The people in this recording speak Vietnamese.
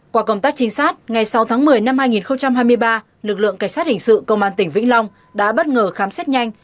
qua công tác trinh sát ngày sáu tháng một mươi năm hai nghìn hai mươi ba lực lượng cảnh sát hình sự công an tỉnh vĩnh long đã bất ngờ khám xét nhanh